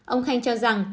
ông khanh cho rằng